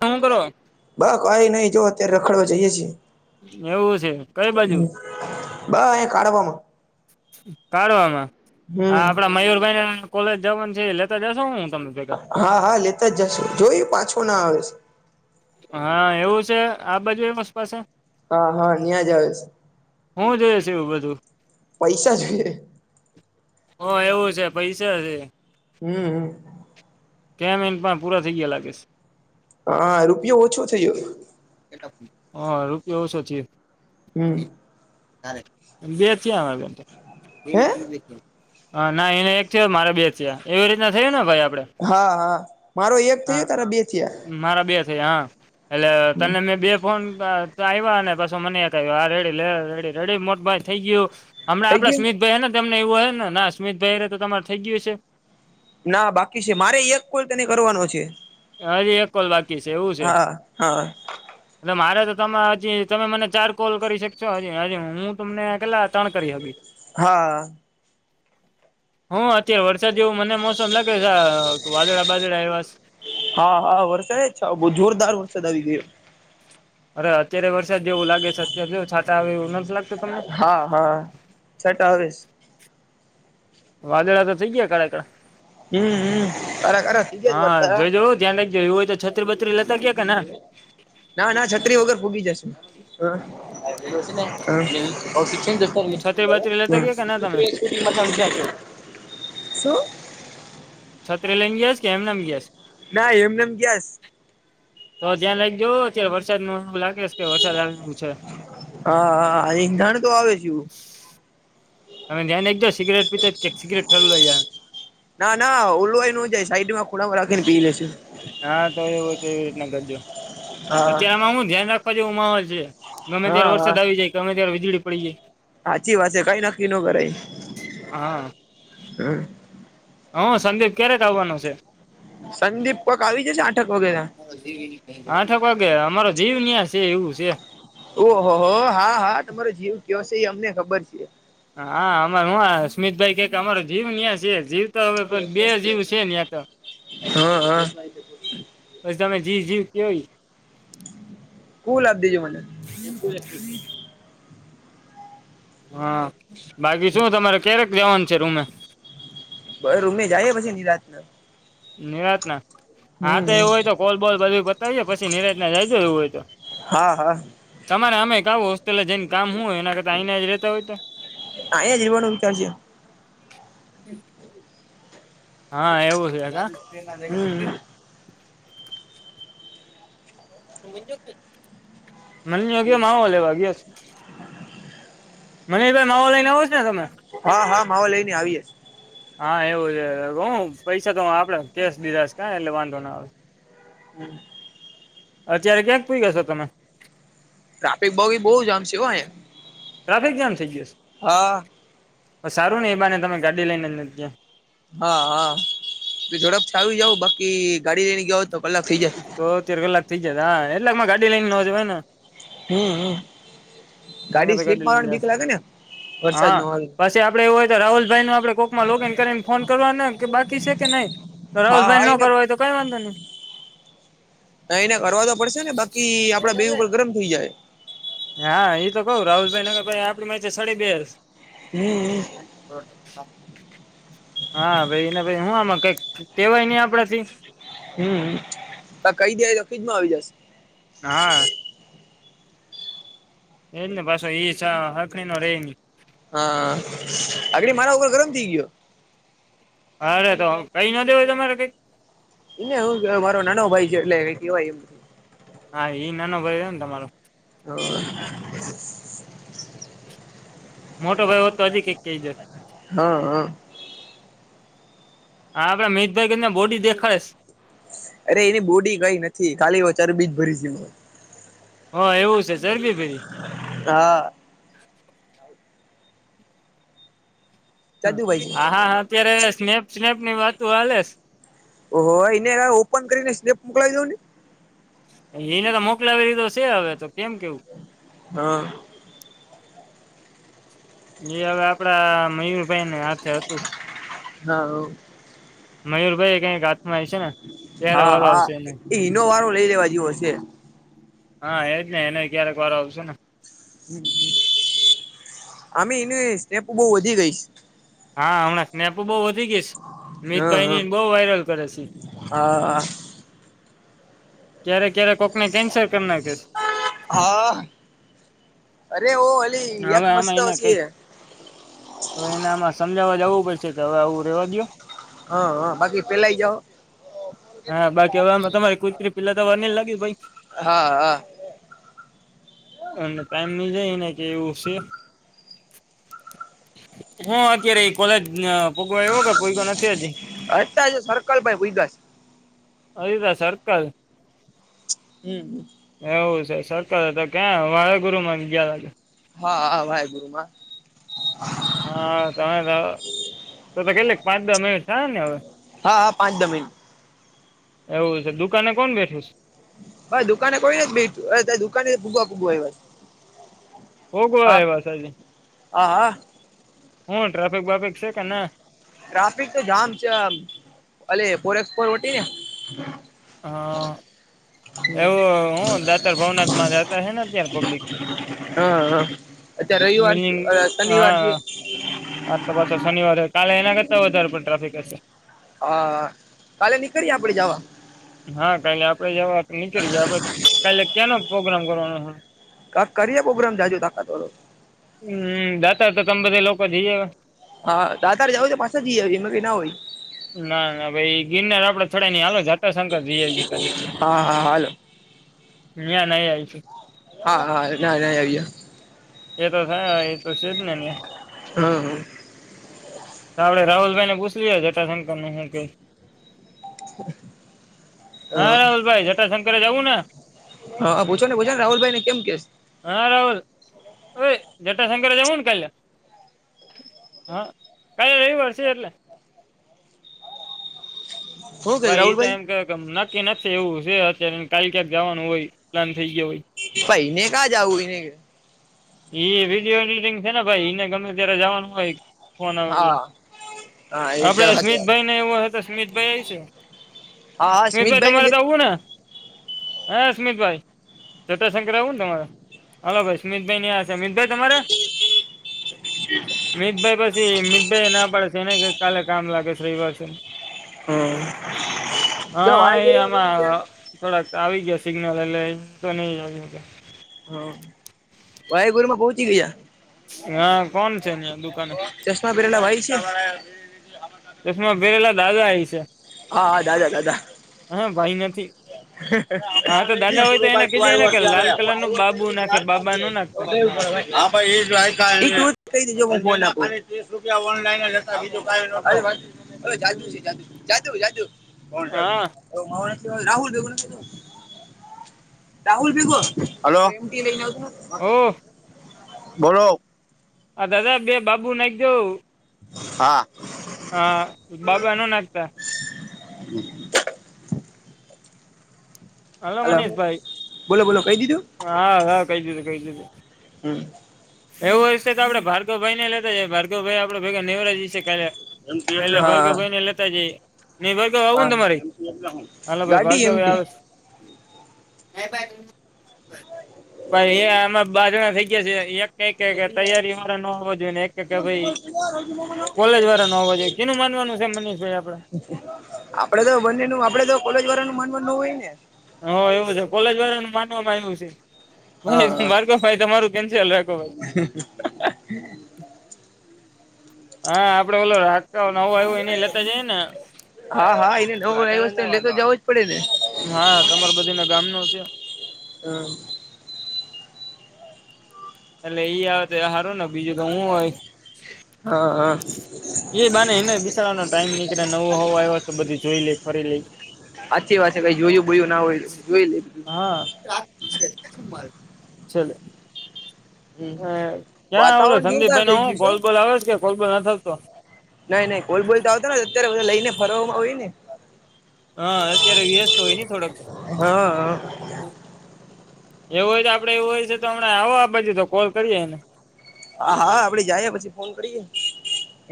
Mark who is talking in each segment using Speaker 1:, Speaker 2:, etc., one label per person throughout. Speaker 1: હામ કરો.
Speaker 2: બ કઈ નહી જો અત્યારે રખડવા જઈએે છીએ.
Speaker 1: એવું છે કઈ બાજુ?
Speaker 2: બ એ કાઢવામાં.
Speaker 1: કાઢવામાં, હ
Speaker 2: હમ
Speaker 1: આપડા મયુરભાઈને કોલેજ જવાનું છે લેતા જશો હું તમને? ભેગા
Speaker 2: હા હા લેતા જ જશ જોયું પાછો ના આવે.
Speaker 1: હા એવું છે આ બાજુ એ વસ પાસે.
Speaker 2: હા હા ન્યા જાવશ.
Speaker 1: હું જોઈ છ એવું બધું?
Speaker 2: પૈસા જોઈએે.
Speaker 1: હ એવું છે પૈસા છે.
Speaker 2: હમ.
Speaker 1: ક મિન્ટટમાં પૂરા થઈ ગયા લાગીશ.
Speaker 2: હા રૂપિયો ઓછો થયો.
Speaker 1: હા રૂપયો ઓસો છે.
Speaker 2: હમ
Speaker 1: બે થિયા.
Speaker 2: હે
Speaker 1: હા ના એને એક થયો મારે બે થયા એવી રીતના થઈય ને ભાઈ આપડે?
Speaker 2: હા હા મારો એક
Speaker 1: હા
Speaker 2: થયો તારા બે થયા.
Speaker 1: મારા બે થયા હા એટલે તને મેં બે ફોન આવ્યા ને પછો મને ક્યું હા રેડી લે રેડી રેડી મોટભાઈ થઈ ગયું.
Speaker 2: થઈ
Speaker 1: હમણાં
Speaker 2: ગયું
Speaker 1: સ્મિતભાઈ હ ને તેમને એવું હ ને ના સ્મિતભાઈને તો તમાર થઈ ગયું હ છે.
Speaker 2: ના બાકી છે મારે એક કોલ તેને કરવાનો છે.
Speaker 1: હાજ એક કોલ બાકી છે એવું છે.
Speaker 2: હા હા
Speaker 1: એટલે મારે તો તમે હજી તમે મને ચાર કોલ કરી શકશો હજી હ હું તમને કેટલા ત્રણ કરી શકીશ.
Speaker 2: હા.
Speaker 1: [inaudible] હું અત્યારે વરસાદ એવું મને મોસમ લાગે વાદળા બાદળા એવા.
Speaker 2: હા હા વરસાદે જ છ બહુ જોરદાર વરસાદ આવી ગયો.
Speaker 1: અરે અત્યારે વરસાદ જેવું લાગે છે અત્યારે જો છાતા આવે એવું નથી લાગ
Speaker 2: હા હા છટા હવે.
Speaker 1: વાદળા તો થઇ ગયા કડાકડા.
Speaker 2: હમ હમ અરે અરે સીધે જ
Speaker 1: હા
Speaker 2: વર્તા
Speaker 1: જોઈ જ ધ્યાન રાખી જા એવ હોય તો છત્રી બત્રી લેતા ગયા કે ના?
Speaker 2: ના ના છત્રી વગર ફૂગી જશે.
Speaker 1: છત્રી બત્રી લેતા ગયા કે ના તમે
Speaker 2: એ શટ શ સ [unintelligible]
Speaker 1: સતત્ર લઈન ગયાસ કે એમ નામ ગયાસ?
Speaker 2: ના એમને એમ ગ્યાસ?
Speaker 1: તો ધ્યાં લઈ જવો અત્યારે વરસાદ નું એવું લાગે છે કે વરસાદ આવે એ છે.
Speaker 2: હા હા એંધણ તો આવે છે.
Speaker 1: અનેમે ધ્યાનને એક જો સિગરેટ પીતે એક સિગરેટ ઠરલો.
Speaker 2: ના ના ઓલવાય ન જાય સાઈ માં ખોલામાં રાખીને પી લે છે.
Speaker 1: હા તો એવું તો એવી રીતના કરજો,
Speaker 2: હા
Speaker 1: અત્યારે આમાં હું ધ્યાન રાખવા જેવું માહોલ છે. ગમે
Speaker 2: હા
Speaker 1: ત્યારે
Speaker 2: હા
Speaker 1: વરસાદ આવી જાય ગમે ત્યારે વીજળી પડી જાય.
Speaker 2: સાચી વાત છે કઈ નક્કી ન કરાય હમ.
Speaker 1: હ સંદીપ ક્યારેક આવવાનો છે?
Speaker 2: સંદીપ કોક આવી જ છે આઠક વગે.
Speaker 1: આઠક વાગે અમારો જીવન્યા છે એવું છે.
Speaker 2: ઓહ હો હા હા તમારો જીવ કયો છે એ અમને ખબર છે.
Speaker 1: હા અમાર હું સુમિતભાઈ કક અમારો જીવ ન્યાં છે જીવ. તો હવે બે જીવ છે ન્યા તો
Speaker 2: હા હા.
Speaker 1: બછી તમે જીવ જીવ કેય.
Speaker 2: કુલદ દીજું મનેલ.
Speaker 1: હા બાકી શું તમારે ક્યારેક જવાનું છે રૂમે?
Speaker 2: બ ઉમે જઈ પછી ની રાતના.
Speaker 1: નિરાતના, હા તો
Speaker 2: હમ
Speaker 1: એવું હોય તો કોલ બોલ બધું બતાવીએે પછી નિરાતના જાયજો એવું હોય તો.
Speaker 2: હા હા.
Speaker 1: તમારે અમે [unintelligible] પેલા જઈને કામ હું હોય એના કરતા આને જ રેતા હોય તો?
Speaker 2: અહીંયા જ રહેવાનું વિચાર છે
Speaker 1: હમ. હા એવું છે.
Speaker 2: હમ
Speaker 1: મન ન ગ માવો લેવા ગીયો. મનીષભાઈ માવો લઈને આવો છ ને તમે?
Speaker 2: હા હા માવો લઈને આવીએ.
Speaker 1: હા એવું છે હું પૈસા તો હ આપણે કેશ દીધાશ કા એટલે વાંધો ના આવશે.
Speaker 2: હમ.
Speaker 1: અત્યારે ક્યાંક [unintelligible] તમે?
Speaker 2: ટ્રાફિક બહી બહુ જામ છે એય.
Speaker 1: ટ્રાફિક જામ થઈ ગયું?
Speaker 2: હા.
Speaker 1: હ સારું નહીં એ બાને તમે ગાડી લઈને જ નથી ગિયા.
Speaker 2: હા હા ઝડપથી આવી જાવ બાકી ગાડી લઈને ગઓ તો કલાક થઇ જાય.
Speaker 1: તો તેર કલાક થઈ જતા હા એટલાક માં ગાડી લઈને નોજયને.
Speaker 2: હમ
Speaker 1: મેં
Speaker 2: ગાડી
Speaker 1: કીધું
Speaker 2: સ્લીપ
Speaker 1: લઈને
Speaker 2: માને
Speaker 1: જાત.
Speaker 2: ભીક લાગે ને વરસાદ
Speaker 1: હા
Speaker 2: નો.
Speaker 1: પછી આપડે એવું હોય તો રાહુલભાઈ ન આપડ કોકમાં લોગિન કરીને ફોન કરવા ને કે બાકી છે કે નહી? તો
Speaker 2: હા
Speaker 1: રાહુલભાઈ
Speaker 2: હા
Speaker 1: નો
Speaker 2: એને
Speaker 1: કરવા હોય તો કઈ વાંધો નહી.
Speaker 2: એને કરવા તો પડશે ને બાકી આપડા બેગ ઉપર ગરમ થઈ જાય.
Speaker 1: હા એ તો કઉું રાહુલભાઈ ને ભાઈ આપડી ચ સડી બેસ.
Speaker 2: હમ.
Speaker 1: હા ભાઈ એને ભાઈ હું આમાં કઈક કેવાય નહ આપડા થી.
Speaker 2: હમ કઈ જ તો ફ્રીજમાં આવી જશે.
Speaker 1: હા. એજ ને પાછો ઈ હખણી ન રે ની.
Speaker 2: હા આગડી મારા ઉપર ગરમ થઈ ગયો.
Speaker 1: અરે તો કઈ ના દે હોય તમારે કઈ?
Speaker 2: એને હું મારો નાનો ભાઈ છે એટલે કેવાય એ.
Speaker 1: હા એ ન બર તમારો.
Speaker 2: હ.
Speaker 1: મોટો ભાઈ હોત તો આજી કઈ કેડેત.
Speaker 2: હા હા.
Speaker 1: હા આપડે મિતભાઈ કરી ને બોડી દેખાશ.
Speaker 2: અરે એની બોડી કઈ નથી કાલી વચારું બીજ ભરી છે.
Speaker 1: હ એવું છે ચરબી ફેરી.
Speaker 2: હા.
Speaker 1: [unintelligible]
Speaker 2: જાદુભાઈ
Speaker 1: હા હા
Speaker 2: છે
Speaker 1: હા અત્યારે સ્નેપ સ્નેપ ની વાતો હાલે.
Speaker 2: ઓ એને હવે ઓપન કરીને સ્લેપ મોકલાલી દઉ ને.
Speaker 1: એને તો મોકલાવી લીધો છે હવે તો કેમ કેવું.
Speaker 2: હા.
Speaker 1: એ હવે આપડા મયુરભાઈ ને હાથે હતું.
Speaker 2: હા.
Speaker 1: મયુરભાઈ કઈ હાથમાં આ છે ને ત્યારે
Speaker 2: હા
Speaker 1: વારો
Speaker 2: હા
Speaker 1: આવશે એને.
Speaker 2: એ હિનો વારો લઈ લેવા જેવો હશે.
Speaker 1: હા એજ ને એને ક્યારેક વાર આવશે ને.
Speaker 2: આમે એનું સેપ બહ વધી ગઈશ.
Speaker 1: હા હમણાં સ્નેપો બહુ વધી ગઈ છે
Speaker 2: છે હા હા
Speaker 1: મીિતભાઈની બહુ વાયરલ કરે છે.
Speaker 2: હા.
Speaker 1: ક્યારે ક્યારે કોકને કેન્સર કરી નાખે છે
Speaker 2: હા અરે ઓ અલી
Speaker 1: ને
Speaker 2: યક
Speaker 1: હવે
Speaker 2: મસ્ત
Speaker 1: આમાં એને કઈક
Speaker 2: હછી
Speaker 1: હવે એને આમાં સમજાવવા જવું પડશે કે હવે આવું રેવા દયો?
Speaker 2: હા હા બાકી પેલા જાઓ
Speaker 1: હા બાકી હ તમારી કુતરી પેલા [unintelligible]
Speaker 2: હા હા.
Speaker 1: અને ટાઈમ મી જાયને કે એવું છે. હા અત્યારે કોલેજ ભગવા આવ્યો કે કોઈ નથી હજી
Speaker 2: અત સરકલ પાહે પુયઞા છે.
Speaker 1: અરા સર્કલ
Speaker 2: હમ.
Speaker 1: એવું છે સરક તો ક્યાં વાળગુરુ માં ગયા
Speaker 2: હા હા ભાઈ ગુરુમાં
Speaker 1: હા તમે તો તો કેટલી પાંચ દઅ મિનિટ થહે ને હવે
Speaker 2: હા હા પાંચ દસ મીનીટ
Speaker 1: એવું છે દુકાને કોણ બેઠું છે.
Speaker 2: હવે દુકાને કોઈ ર જ બેઠું દુકાને જ ભૂગવા ભૂગવા-
Speaker 1: ઓ ગો
Speaker 2: હા.
Speaker 1: એવા સા
Speaker 2: હા હા
Speaker 1: હું ટ્રાફિક બાફિક છે કે ના
Speaker 2: ટ્રાફિક તો જામ છે અ ફોરક્સ ફોર વટી ને
Speaker 1: હા.
Speaker 2: હ
Speaker 1: એવું હું દાતાર ભવનાથમાં જતા છે ને અત્યારે પબ્લિક
Speaker 2: હા હા. અચ્છા રવિવાર છે
Speaker 1: બિલ્ડિંગ
Speaker 2: શનિવાર છે.
Speaker 1: હા તો પાછો શનિવારે કાલે એના કરતા વધારે પણ ટ્રાફિક હશે.
Speaker 2: હા કાલે નીકળીએ આપણેે જવા
Speaker 1: હા કાલે આપડે જવા તો નીચળીએ આપડ કાલે ક્યાંનો પ્રોગ્રામ કરવાનો છે.
Speaker 2: ક કરીએ પ્રોગ્રામ જાજો તાકાતળો.
Speaker 1: હમ દાતા તો તમે બધા લોકો જઈએ
Speaker 2: હા તા તાર જાવું તો પાસે જઈ એમાં કઈ ના હોય
Speaker 1: ના ના ભાઈ ગિરનાર આપડે છોડા ની હાલો શંકર જી આવી છે કાલે
Speaker 2: હા હા હાલો
Speaker 1: ના્યા ન આવીશ
Speaker 2: હા હા ના ના આવ્યા.
Speaker 1: એ તો થાય એ તો છેજ ને
Speaker 2: હા હા
Speaker 1: આપણે રાહુલભાઈ ને પૂછલી જટાશંકર નું શું કઈ હા રાહુલભાઈ જટાશંકરે જવું ને
Speaker 2: હા પૂછો ને ને રાહલભાઈ ને કેમ કેસ
Speaker 1: હા રહુલ હવે જટાશંકરે જવું ને કાલે હા કાલે રવ વર્ષ એટલે
Speaker 2: હું કે
Speaker 1: ભાઈ એ તો
Speaker 2: રાહુલભાઈ
Speaker 1: એમ ક કે નક્કી નથી એવું છે અત્યારે કાલે ક્યાંક જવાનું હોય પ્લાન થઈ ગયા હો
Speaker 2: ભાઈને કા જાવું ને
Speaker 1: એ વિડીયો એડિટિંગ છે ને ભાઈ એને ગમે ત્યારે જવાનું હોય ફોન આવે
Speaker 2: હા હા એ તો
Speaker 1: આપડે
Speaker 2: સાચી વાત
Speaker 1: સ્મિતભાઈ ને એવો હ તો સ્મિતભાઈ આવી છે.
Speaker 2: હા હા
Speaker 1: સ્મિતભાઈ તમારે
Speaker 2: લે
Speaker 1: તો આવું ને? હા સમિતભાઈ ચટાશંકર આવું ને તમારે હલો ભાઈ સ્મિતભાઈ યા છે અમિતભાઈ તમારે મભાઈ પી મી ના પડે છે એને કાલે કામ લાગે છે રવિવાસે
Speaker 2: હમ જો
Speaker 1: હા એ
Speaker 2: વાાઈગુર બા બુ બી જ છે.
Speaker 1: આમાં થોડાક આવી ગયા સિગ્નલ એટલે તો નહી આવીયા
Speaker 2: હા વાહેગુરુ માં પહચી ગયાયા
Speaker 1: હા કોણ છે હં દુકાને
Speaker 2: ચશ્મા પરેલા ભાઈ છે?
Speaker 1: ચશ્મા પેરેલા દાદા આવી છે.
Speaker 2: હા દાદા દાદા
Speaker 1: હા ભાઈ નથી.
Speaker 2: [inaudible] [inaudible] હવે
Speaker 1: હા તો દાદા હોય તો એને કીજે ને કે લાલ કલર નું બાબુ નાખે બાબા નો નાખતા
Speaker 2: જાદુ છે જાદુ છે જાદુ જાદુ કોણ જાદુ
Speaker 1: હા
Speaker 2: [inaudible]
Speaker 1: ઓહ
Speaker 2: [inaudible] બોલો.
Speaker 1: હા દાદા બે બાબુ નાખો.
Speaker 2: હા.
Speaker 1: હા બાબા અનો નાખતા
Speaker 2: [inaudible]
Speaker 1: હલો મનીષ ભાઈ
Speaker 2: બોલો બોલો કહી દીધું?
Speaker 1: હા હા કઈ દીધું કઈ દીધું.
Speaker 2: હમ
Speaker 1: એવું રસ્તે તો આપણે ભાર્ગવ ભાઈ ને લેતા જએ ભાર્ગવ ભાઈ આપડે ભેગા નેવરાજી છે ખાલે.
Speaker 2: એમટી
Speaker 1: પેલે
Speaker 2: એટલે
Speaker 1: ભાર્ગવ
Speaker 2: હા
Speaker 1: ભાઈને લેતા જઈ. નહી વાગ આવું
Speaker 2: હા
Speaker 1: ને તમારી હાલ ભાઈ
Speaker 2: ગાડી
Speaker 1: ભાર્ગવ
Speaker 2: એમટી
Speaker 1: આવે [inaudible] [inaudible] કે કે ભાઈ કોલેજ વાળા ન હોવા જોઈએ કેનું માનવાનું છે મનીષભાઈ આપડે.
Speaker 2: આપડે તો બંને ન આપડે તો કોલેજ વાળા ન મન નવું હોય ને.
Speaker 1: હ એવું છે કોલેજ વાળા નું માનવામાં આવું છે. ભાઈ
Speaker 2: હા
Speaker 1: બાળકો ભાઈ તમારું કેન્સલ રાખો ભાઈ.
Speaker 2: [inaudible]
Speaker 1: હા આપડે બોલો રાખતા નવું આવું એને લેતા જઈએ ને.
Speaker 2: હા હા એને વસ્તે તો જવું જ પડે ને.
Speaker 1: હા તમારા બધી ના ગામ ન છે.
Speaker 2: હા.
Speaker 1: એટલે ઈ આવે ત હારો ને બીજું તો હું હોય.
Speaker 2: હા હા
Speaker 1: એ બાને એને વિચારવાનો ટાઈમ નીકળે નવું હોવ આવ તો બધું જોઈ લે. [inaudible]
Speaker 2: સાચી વાત છે કઈ જોયું બોલું ના હોય જોઈ લે.
Speaker 1: [unintelligible]
Speaker 2: હમ
Speaker 1: ક્યાં ઓલો
Speaker 2: વાતાવરણ જોરદાર
Speaker 1: સંદીપભાઈ
Speaker 2: થઇ
Speaker 1: નો હું
Speaker 2: ગયું છે.
Speaker 1: કોલબોલ આવે છે કે કોલબોલ ન થતો
Speaker 2: નઈ નઈ કોઈ બોલતા આવતાને અત્યારે બધા લઈ ને ફરવવામાં હોય ને.
Speaker 1: હા અત્યારે વ્યસ્ત હોય ને થોડક.
Speaker 2: હા હા
Speaker 1: એવું હોય તો આપડે એવું હોય છે તો હમણાં આવો આ બાજુ તો કોલ કરીએેને.
Speaker 2: હા હા આપડે જઈએ પછી ફોન કરીએ.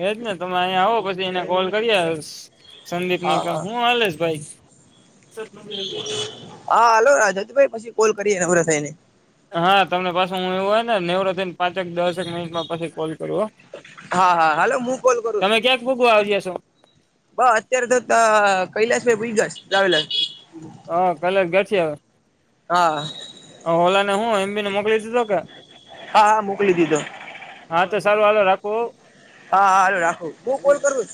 Speaker 1: એજ ને તમે અહીંયા આવો પછી એને કોલ કરી સંદીપને
Speaker 2: હા
Speaker 1: કે
Speaker 2: હા
Speaker 1: હું હલેશ ભાઈ. [inaudible]
Speaker 2: હા હલો રાજતભાઈ પછી કોલ કરીએ નવરા થઈ ને
Speaker 1: હા તમને પાછસે હું એવું હોય ને [unintelligible] ને પાંચક દસક મિનિટમાં પછી કોલ કરવો
Speaker 2: હા હા હાલો હું કોલ કરુ
Speaker 1: [unintelligible]
Speaker 2: બ અત્યારે તો કૈલાસભાઈ [unintelligible]
Speaker 1: [unintelligible]
Speaker 2: હા
Speaker 1: ઓલા ને હું એમ બીને મોકલી દીધ કે?
Speaker 2: હા હા મોકલી દીધો.
Speaker 1: હા તો સારું હાલ રાખવો.
Speaker 2: હા હાલલો રાખો બું કોલ કરું